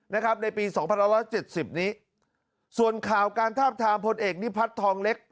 นะครับในปี๒๑๗๐นี้ส่วนข่าวการทาบทามพลเอกนิพัฒน์ทองเล็ก